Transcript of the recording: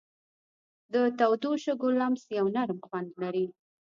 د تودو شګو لمس یو نرم خوند لري.